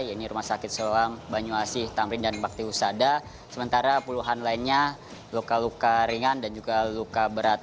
yaitu rumah sakit sewang banyuasih tamrin dan bakti husada sementara puluhan lainnya luka luka ringan dan juga luka berat